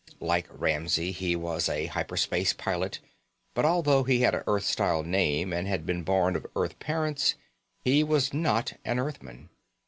Like Ramsey he was a hyper space pilot, but although he had an Earth style name and had been born of Earth parents, he was not an Earthman.